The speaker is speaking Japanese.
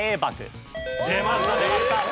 出ました出ました。